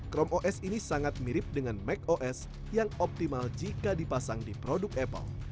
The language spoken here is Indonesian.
chrome os ini sangat mirip dengan mac os yang optimal jika dipasang di produk apple